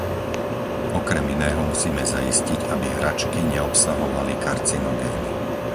Okrem iného musíme zaistiť, aby hračky neobsahovali karcinogény.